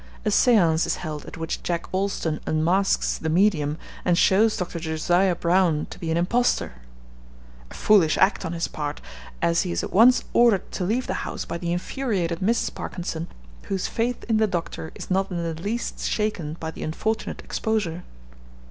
A seance is held at which Jack Alston unmasks the medium and shows Dr. Josiah Brown to be an impostor a foolish act, on his part, as he is at once ordered to leave the house by the infuriated Mrs. Parkinson, whose faith in the Doctor is not in the least shaken by the unfortunate exposure.